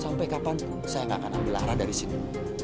sampai kapan saya gak akan ambil lara dari sini